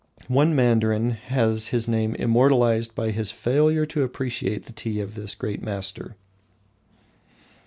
One mandarin has his name immortalised by his failure to appreciate the tea of this great master.